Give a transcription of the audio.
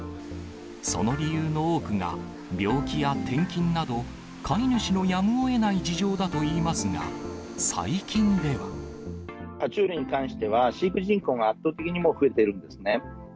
その理由の多くが、病気や転勤など、飼い主のやむをえない事情だといいますが、最近では。は虫類に関しては、飼育人口が圧倒的にもう増えているんですね。